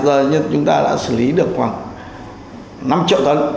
giờ chúng ta đã xử lý được khoảng năm triệu tấn